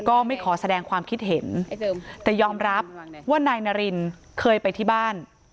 ไม่ขอแสดงความคิดเห็นแต่ยอมรับว่านายนารินเคยไปที่บ้าน